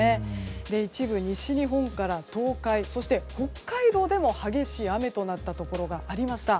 一部、西日本から東海北海道でも激しい雨となったところがありました。